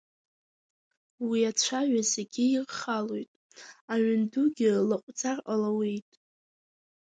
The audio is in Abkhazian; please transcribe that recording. Уи ацәаҩа зегьы ирхалоит, аҩын дугьы лаҟәӡар ҟалауеит…